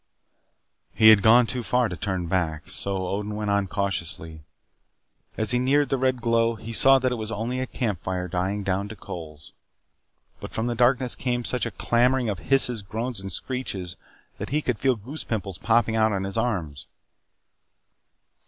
He had gone too far to turn back. So Odin went on cautiously. As he neared the red glow, he saw that it was only a campfire dying down to coals. But from the darkness came such a clamoring of hisses, groans, and screeches that he could feel goose pimples popping out on his arms.